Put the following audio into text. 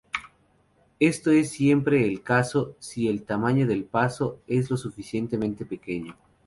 Esto es siempre el caso si el tamaño del paso es lo suficientemente pequeño.